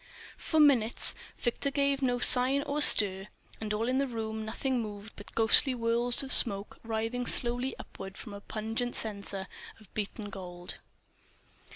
For minutes Victor gave no sign or stir; and in all the room nothing moved but ghostly whorls of smoke writhing slowly upward from a pungent censer of beaten gold.